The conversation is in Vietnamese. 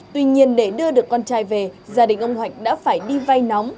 tuy nhiên để đưa được con trai về gia đình ông hoạch đã phải đi vay nóng